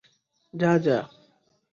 যা, যা।